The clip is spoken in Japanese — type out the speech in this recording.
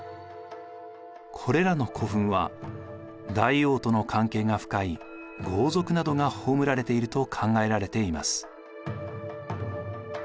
これらの古墳は大王との関係が深い豪族などが葬られていると考えられています。